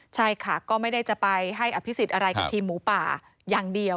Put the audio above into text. ใช่ค่ะก็ไม่ได้จะไปให้อภิษฎอะไรกับทีมหมูป่าอย่างเดียว